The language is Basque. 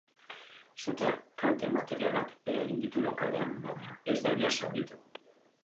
Suteak kalte materialak eragin ditu lokalean, baina ez da inor zauritu.